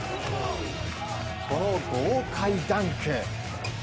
この豪快ダンク。